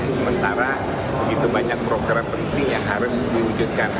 sementara begitu banyak program penting yang harus diwujudkan